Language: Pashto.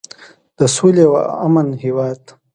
د سولې او امن هیواد.